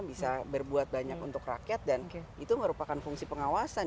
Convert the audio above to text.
bisa berbuat banyak untuk rakyat dan itu merupakan fungsi pengawasan